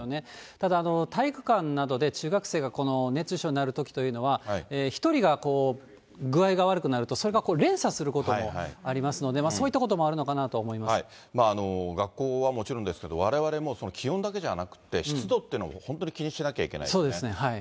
ただ、体育館などで中学生が熱中症になるときというのは、１人がこう、具合が悪くなると、それが連鎖することもありますので、そういっ学校はもちろんですけど、われわれも気温だけじゃなくて、湿度っていうのも本当に気にしなきゃいけないですね。